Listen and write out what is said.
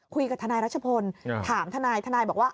คุยกับทนายรัชพลถามทนายทนายบอกว่า